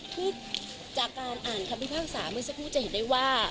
คือจากการอ่านคำพิพากษาเมื่อสักครู่จะเห็นได้ว่า